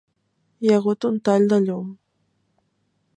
Hi ha hagut un tall de llum.